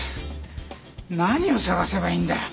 何を探せばいいんだよ？